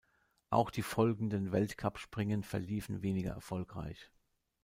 Auch die folgenden Weltcup-Springen verliefen weniger erfolgreich.